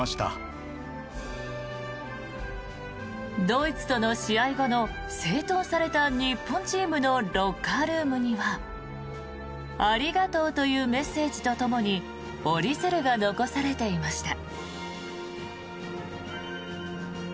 ドイツとの試合後の整頓された日本チームのロッカールームにはありがとうというメッセージとともに折り鶴が残されていました。